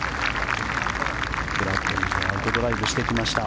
ブラッドリーもアウトドライブしてきました。